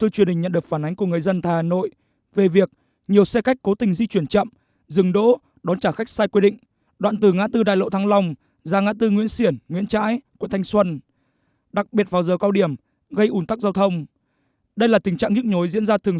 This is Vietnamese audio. theo phản ánh của người dân một số tượng đài tại hà nội hiện nay có dấu hiệu xuống cấp hư hỏng nặng